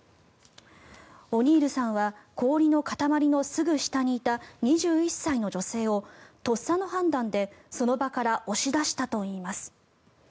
オニールさんは氷の塊のすぐ下にいた２１歳の女性をとっさの判断でその場から押し出したといいます。